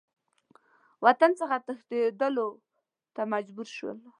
وطن څخه تښتېدلو ته مجبور شول.